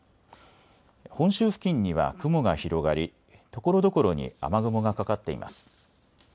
本州付近には雲が広がりところどころに雨雲がかかっています。